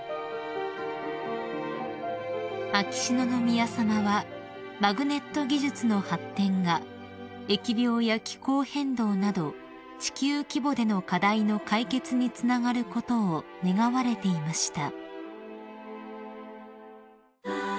［秋篠宮さまはマグネット技術の発展が疫病や気候変動など地球規模での課題の解決につながることを願われていました］